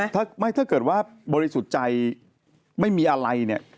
ถ้าเกิดว่าบริสุทธิ์ใจไม่มีอะไร